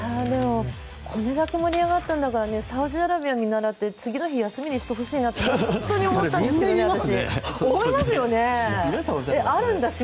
これだけ盛り上がったんだからサウジアラビアを見習って次の日、休みにしてほしいなと本当に思ったんですけどね、私。